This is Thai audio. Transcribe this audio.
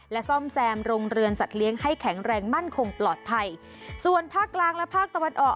และซ่อมแซมโรงเรือนสัตว์เลี้ยงให้แข็งแรงมั่นคงปลอดภัยส่วนภาคกลางและภาคตะวันออก